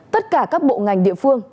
tất cả các bộ ngành địa phương